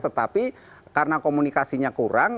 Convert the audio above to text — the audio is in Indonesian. tetapi karena komunikasinya kurang